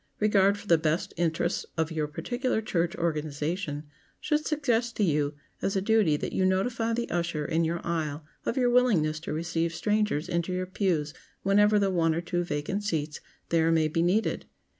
Regard for the best interests of your particular church organization should suggest to you as a duty that you notify the usher in your aisle of your willingness to receive strangers into your pews whenever the one or two vacant seats there may be needed.